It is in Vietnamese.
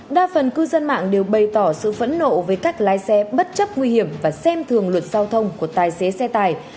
đa phần cư dân mạng đều bày tỏ sự phẫn nộ với các lái xe bất chấp nguy hiểm và xem thường luật giao thông của tài xế xe tải